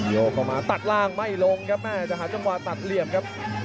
โยกเข้ามาตัดล่างไม่ลงครับแม่จะหาจังหวะตัดเหลี่ยมครับ